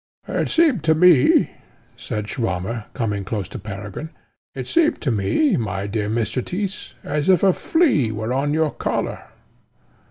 "It seemed to me," said Swammer, coming close to Peregrine, "it seemed to me, my dear Mr. Tyss, as if a flea were on your collar."